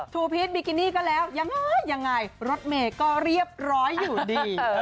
พีชบิกินี่ก็แล้วยังไงยังไงรถเมย์ก็เรียบร้อยอยู่ดี